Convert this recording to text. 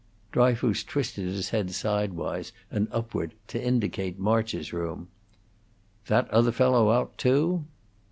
Dryfoos twisted his head sidewise and upward to indicate March's room. "That other fellow out, too?"